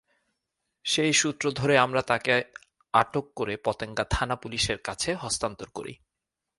সেই সূত্র ধরে আমরা তাঁকে আটক করে পতেঙ্গা থানা-পুলিশের কাছে হস্তান্তর করি।